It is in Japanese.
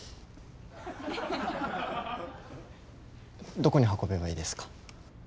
どこに運べばいいですか？